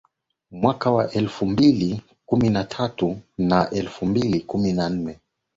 Mwaka wa elfu mbili kumi na tatu na elfu mbili kumi na nne